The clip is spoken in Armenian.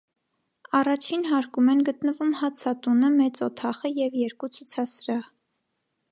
Առաջին հարկում են գտնվում հացատունը, մեծ օթախը և երկու ցուցասրահ։